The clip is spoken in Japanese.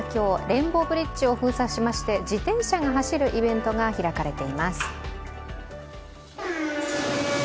レインボーブリッジを閉鎖しまして自転車が走るイベントが開かれています。